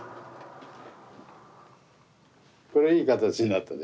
これいい形になったぜ。